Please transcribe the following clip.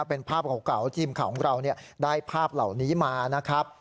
เป็นภาพเก่าทีมข่าวของเราได้ภาพเหล่านี้มานะครับ